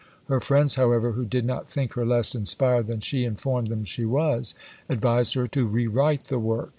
Her friends, however, who did not think her less inspired than she informed them she was, advised her to re write the work.